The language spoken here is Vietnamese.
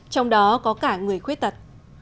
trong đó có cả người khuyết tật